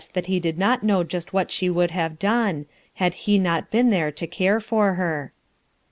that be did not know fust what $v e would have done, had he not been there to car* for her.